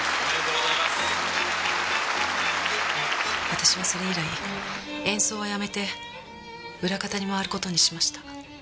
私はそれ以来演奏はやめて裏方に回る事にしました。